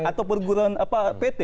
atau perguruan pt